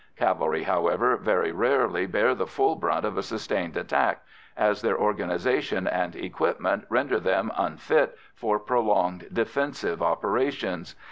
Cavalry, however, very rarely bear the full brunt of a sustained attack, as their organisation and equipment render them unfit for prolonged defensive operations.